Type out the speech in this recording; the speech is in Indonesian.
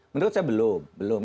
menurut saya belum